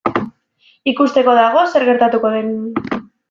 Ikusteko dago zer gertatuko den.